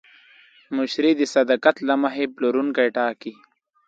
مشتری د صداقت له مخې پلورونکی ټاکي.